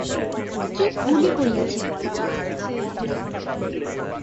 কী ভুলই করিয়াছিল!